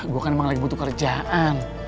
gua kan emang lagi butuh kerjaan